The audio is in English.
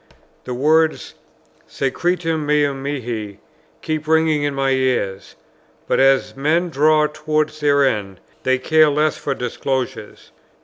The words, "Secretum meum mihi," keep ringing in my ears; but as men draw towards their end, they care less for disclosures.